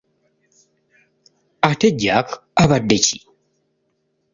Ate Jack abadde ki?